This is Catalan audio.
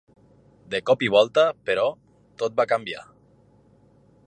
De cop i volta, però, tot va canviar.